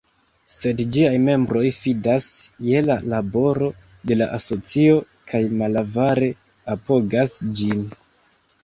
Sed ĝiaj membroj fidas je la laboro de la asocio kaj malavare apogas ĝin.